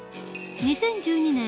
２０１２年